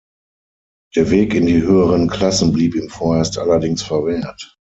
Der Weg in die höheren Klassen blieb ihm vorerst allerdings verwehrt.